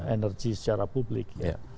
energi secara publik